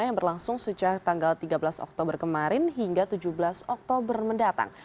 yang berlangsung sejak tanggal tiga belas oktober kemarin hingga tujuh belas oktober mendatang